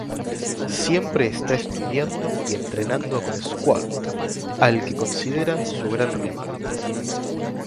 Siempre está estudiando y entrenando con Squall, al que considera su gran rival.